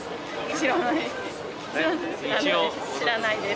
知らないです